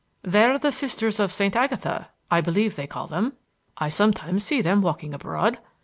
"They're the Sisters of St. Agatha, I believe they call them. I sometimes see them walking abroad.